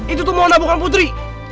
itu tuh mohon abukan putri